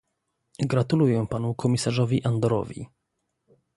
Gratuluję panu komisarzowi Andorowi